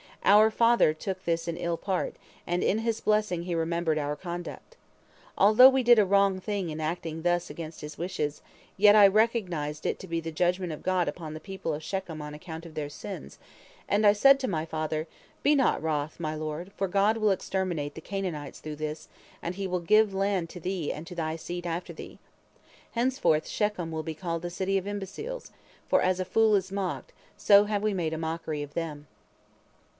Our father took this in ill part, and in his blessing he remembered our conduct. Although we did a wrong thing in acting thus against his wishes, yet I recognized it to be the judgment of God upon the people of Shechem on account of their sins, and I said to my father: 'Be not wroth, my lord, for God will exterminate the Canaanites through this, and he will give the land to thee and to thy seed after thee. Henceforth Shechem will be called the city of imbeciles, for as a fool is mocked at, so have we made a mockery of them.'